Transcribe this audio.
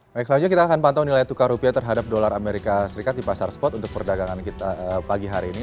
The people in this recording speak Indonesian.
baik selanjutnya kita akan pantau nilai tukar rupiah terhadap dolar amerika serikat di pasar spot untuk perdagangan kita pagi hari ini